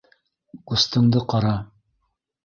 Ҡустыңды ҡара!